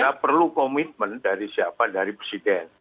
saya perlu komitmen dari siapa dari presiden